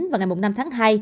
vào ngày năm tháng hai